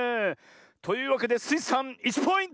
というわけでスイさん１ポイント！